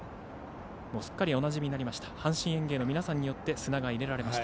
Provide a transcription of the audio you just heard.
すっかりおなじみになりました阪神園芸の皆さんによって砂が入れられました。